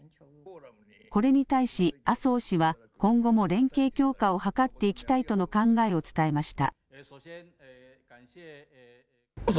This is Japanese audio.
これに対し麻生氏は今後も連携強化を図っていきたいとの考えを伝えました。